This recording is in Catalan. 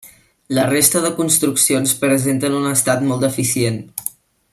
La resta de construccions presenten un estat molt deficient.